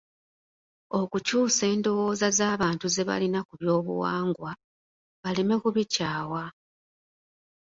Okukyusa endowooza z’abant ze balina ku by’obuwangwa; baleme kubikyawa.